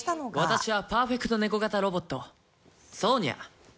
私はパーフェクトネコ型ロボットソーニャ。